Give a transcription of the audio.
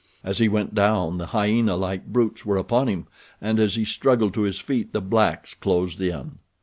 As he went down the hyena like brutes were upon him, and as he struggled to his feet the blacks closed in.